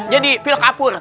jadi pil kapur